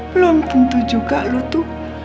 belum tentu juga lu tuh